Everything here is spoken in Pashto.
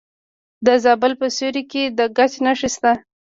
د زابل په سیوري کې د ګچ نښې شته.